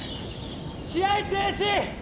試合中止！